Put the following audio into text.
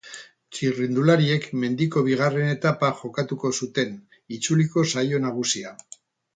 Txirrindulariek mendiko bigarren etapa jokatuko zuten, itzuliko saio nagusia.